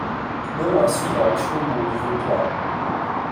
Não há suporte no mundo virtual.